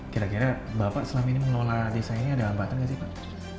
kira kira bapak selama ini mengelola desa ini ada hambatan nggak sih pak